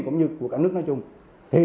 cũng như của cả nước nói chung thì